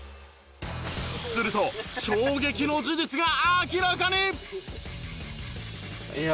すると衝撃の事実が明らかに！